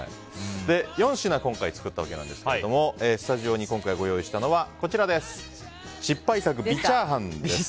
４品、今回作ったわけですがスタジオに今回ご用意したのは失敗作、ビチャーハンです。